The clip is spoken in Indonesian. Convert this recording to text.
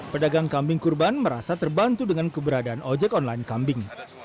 pedagang kambing kurban merasa terbantu dengan keberadaan ojek online kambing